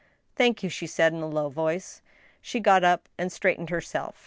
" Thank you," she said, in a low voice. She got up and straightened herself.